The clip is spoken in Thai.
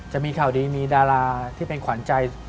จะมีข่าวดีมีดาราที่เป็นขวัญใจ